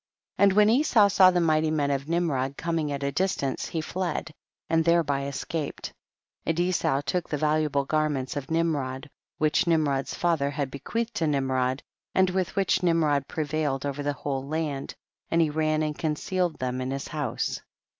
10. And when Esau saw the mighty men of Nimrod coming at a distance, he fled, and thereby escap ed ; and Esau took the valuable gar ments of Nimrod, which Nimrod's 78 THE BOOK OF JASHER. ; father had bequeathed to Nimrod, and with which Nimrod prevailed over the whole land, and he ran and concealed them in his house.